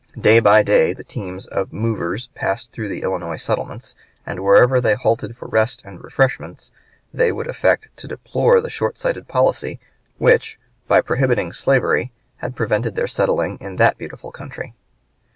Day by day the teams of the movers passed through the Illinois settlements, and wherever they halted for rest and refreshment they would affect to deplore the short sighted policy which, by prohibiting slavery, had prevented their settling in that beautiful country.